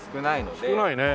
少ないね。